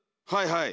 はい。